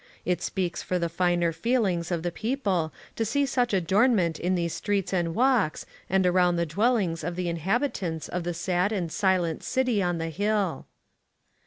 It speaks for the finer feelings of the people to see such adornment in these streets and walks, and around the VISIT TO *KBNTUCKY. 16T dwellings of the inhabitants of the sad and silent city on the hill.